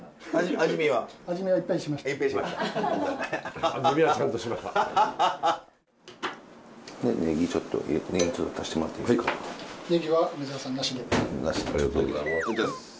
ありがとうございます。